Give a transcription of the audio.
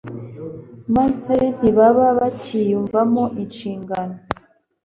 maze ntibaba bacyiyumvamo inshingano